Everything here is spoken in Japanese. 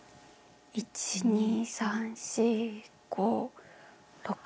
１２３４５６。